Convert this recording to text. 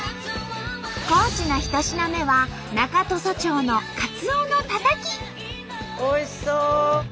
高知の１品目は中土佐町のおいしそう！